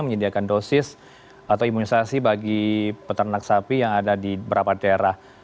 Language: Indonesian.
menyediakan dosis atau imunisasi bagi peternak sapi yang ada di beberapa daerah